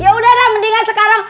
yaudah lah mendingan sekarang